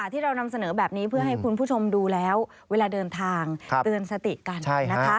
ที่เรานำเสนอแบบนี้เพื่อให้คุณผู้ชมดูแล้วเวลาเดินทางเตือนสติกันนะคะ